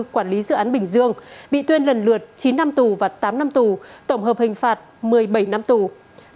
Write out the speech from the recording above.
quản lý dự án bình dương bị tuyên lần lượt chín năm tuổi và tám năm tuổi tổng hợp hình phạt một mươi bảy năm tuổi